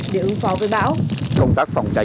để ứng phó với bão